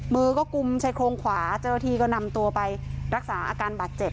มือก็กุมใช้โครงขวาเจ้าทีก็นำตัวไปรักษาอาการบัตรเจ็บ